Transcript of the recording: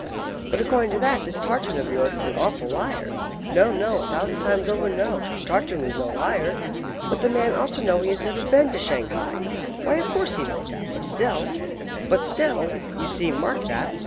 "But according to that, this Tartarin of yours is an awful liar." "No, no, a thousand times over, no! Tartarin was no liar." "But the man ought to know that he has never been to Shanghai" "Why, of course, he knows that; but still" "But still," you see mark that!